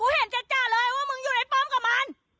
รถขาดล้มเมื่อกีฺ้ว่าไหน